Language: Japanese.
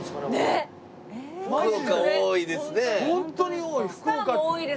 本当に多い。